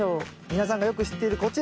皆さんがよく知っているこちら。